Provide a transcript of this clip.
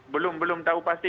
belum belum tahu pasti